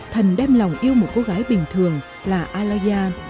thần đem lòng yêu một cô gái bình thường là a la ya